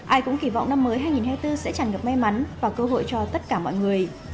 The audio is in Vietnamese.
ai cũng kỳ vọng năm mới hai nghìn hai mươi bốn sẽ tràn ngập may mắn và cơ hội cho tất cả mọi người